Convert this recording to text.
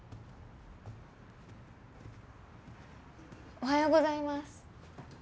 おはようございます。